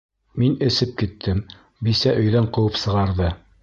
Мин эсеп киттем, бисә өйҙән ҡыуып сығарҙы...